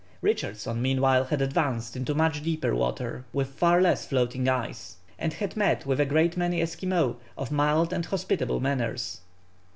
Richardson meanwhile had advanced into much deeper water with far less floating ice, and had met with a great many Esquimaux of mild and hospitable manners.